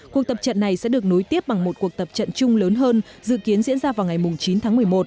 cuộc tập trận này sẽ được nối tiếp bằng một cuộc tập trận chung lớn hơn dự kiến diễn ra vào ngày chín tháng một mươi một